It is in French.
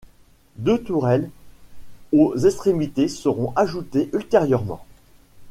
Deux tourelles aux extrémités seront ajoutées ultérieurement.